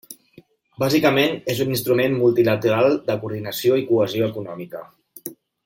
Bàsicament, és un instrument multilateral de coordinació i cohesió econòmica.